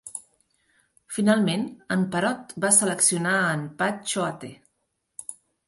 Finalment, en Perot va seleccionar a en Pat Choate.